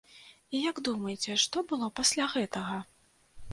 І, як думаеце, што было пасля гэтага?